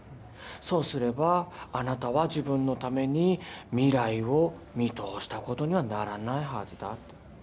そうすればあなたは自分のために未来を見通したことにはならないはずだと。